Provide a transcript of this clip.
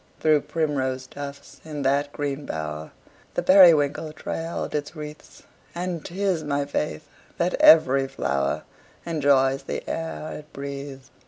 Through primrose tufts, in that green bower, The periwinkle trailed its wreaths; And 'tis my faith that every flower Enjoys the air it breathes.